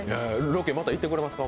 ロケ、また行ってくれますか？